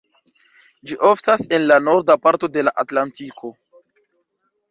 Ĝi oftas en la norda parto de la atlantiko.